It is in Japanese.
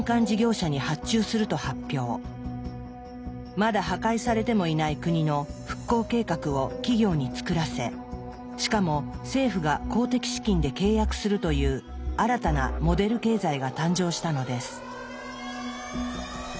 まだ破壊されてもいない国の復興計画を企業に作らせしかも政府が公的資金で契約するという新たな「モデル経済」が誕生したのです。